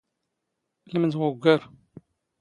ⵍⵎⴷⵖ ⵓⴳⴳⴰⵔ.